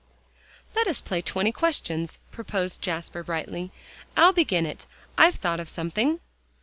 "Let us play 'Twenty Questions,'" proposed Jasper brightly. "I'll begin it, I've thought of something."